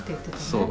そう。